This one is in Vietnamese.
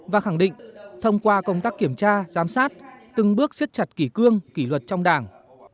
và khẳng định thông qua công tác kiểm tra giám sát từng bước siết chặt kỷ cương kỷ luật trong đảng